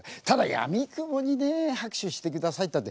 ただやみくもにね拍手してください